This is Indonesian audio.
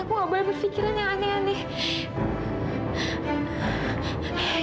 aku gak boleh berpikiran yang aneh aneh